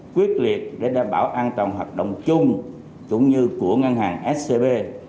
quyết liệt để đảm bảo an toàn hoạt động chung cũng như của ngân hàng scb